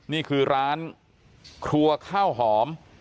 นี่คือร้านครัวข้าวหอม